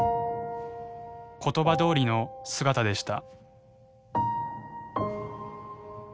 言葉どおりの姿でした。